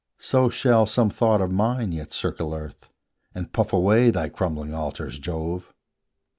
So shall some thought of mine yet circle earth, And puff away thy crumbling altars, Jove!